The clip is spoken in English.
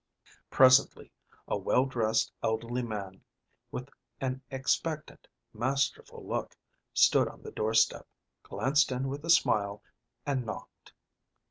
Presently a well dressed elderly man, with an expectant, masterful look, stood on the doorstep, glanced in with a smile, and knocked.